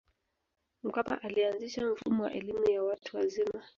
mkapa alianzisha mfumo wa elimu ya watu wazima